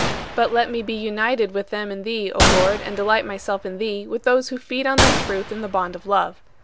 But let me be united with them in thee, O Lord, and delight myself in thee with those who feed on thy truth in the bond of love.